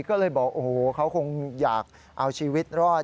ก็เลยบอกโอ้โหเขาคงอยากเอาชีวิตรอด